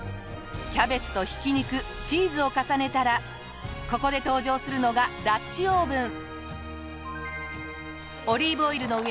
キャベツとひき肉チーズを重ねたらここで登場するのがダッチオーブン。